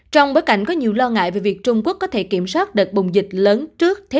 trong bối cảnh có nhiều lo ngại về việc trung quốc có thể kiểm soát đợt bùng dịch lớn trước thế